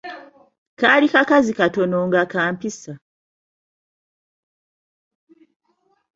kaali kakazi katono, nga ka mpisa.